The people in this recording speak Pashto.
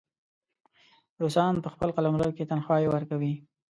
روسان په خپل قلمرو کې تنخواوې ورکوي.